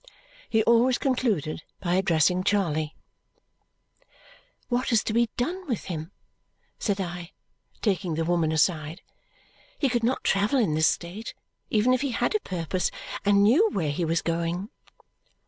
He always concluded by addressing Charley. "What is to be done with him?" said I, taking the woman aside. "He could not travel in this state even if he had a purpose and knew where he was going!"